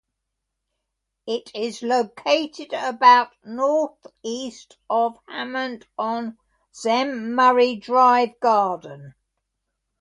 It is located about northeast of Hammond on Zemurray Garden Drive.